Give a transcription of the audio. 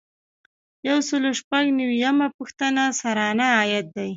یو سل او شپږ نوي یمه پوښتنه سرانه عاید دی.